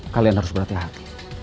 kalian harus berhati hati